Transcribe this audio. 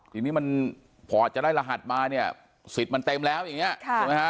ทีนี้มันพอจะได้รหัสมาเนี่ยสิทธิ์มันเต็มแล้วอย่างนี้ใช่ไหมฮะ